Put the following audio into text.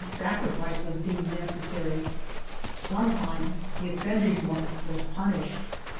29 GERONIMO sacrifice was deemed necessary. Sometimes the offending one was punished.